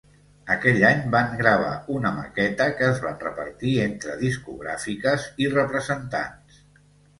Aquell any van gravar una maqueta que es van repartir entre discogràfiques i representants.